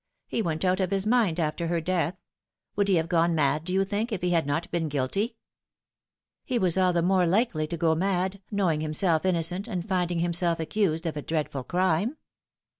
He went out of his mind after her death. Would he have gone mad, do you think, if he had not been guilty ?" "He was all the more likely to go mad, knowing himself innocent, and finding himself accused of a dreadful crime."